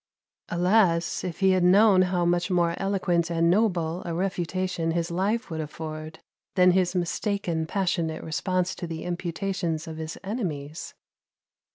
Alas! if he had known how much more eloquent and noble a refutation his life would afford than his mistaken passionate response to the imputations of his enemies!